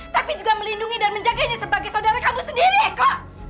tapi juga melindungi dan menjaganya sebagai saudara kamu sendiri eko